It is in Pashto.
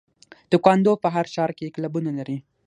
تکواندو په هر ښار کې کلبونه لري.